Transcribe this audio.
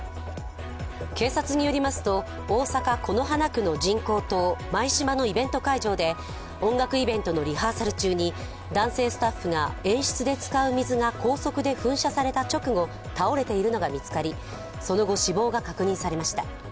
警察によりますと、大阪・此花区の人工島舞洲のイベント会場で、音楽イベントのリハーサル中に男性スタッフが演出で使う水が高速で噴射された直後、倒れているのが見つかりその後、死亡が確認されました。